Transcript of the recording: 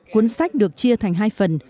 cuốn sách được chia thành hai phần